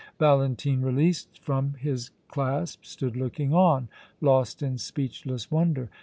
Valentine, released from his clasp, stood looking on, lost in speechless wonder.